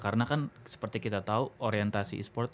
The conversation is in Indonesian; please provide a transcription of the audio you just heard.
karena kan seperti kita tahu orientasi esport